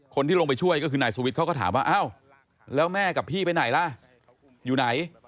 คนที่ลงไปช่วยก็คือนายสุวิทย์เขาก็ถามว่าอ้าวแล้วแม่กับพี่ไปไหนล่ะอยู่ไหน